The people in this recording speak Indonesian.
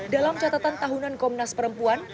dalam catatan tahunan komnas perempuan